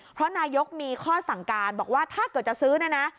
เพราะนายกมีข้อสั่งการบอกว่าถ้าเกิดจะซื้อเนี่ยนะ